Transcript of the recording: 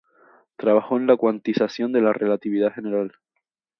Trabajó en la cuantización de la relatividad general.